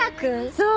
そう。